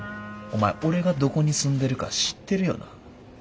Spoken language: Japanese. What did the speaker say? お前俺がどこに住んでるか知ってるよな？